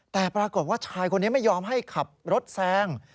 แต่ปรากฏว่าชายคนนี้ไม่ยอมให้ขับรถแซง